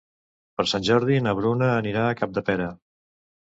Per Sant Jordi na Bruna anirà a Capdepera.